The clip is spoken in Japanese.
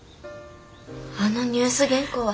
あのニュース原稿は。